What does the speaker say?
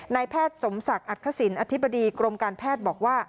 นายแพทย์สมศักดิ์อักษิณอธิบดีกรมการแพทย์บอกว่า